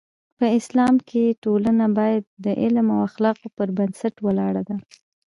په اسلام کې ټولنه باید د علم او اخلاقو پر بنسټ ولاړه ده.